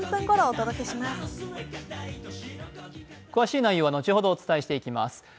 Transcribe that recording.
詳しい内容は後ほどお伝えしていきます。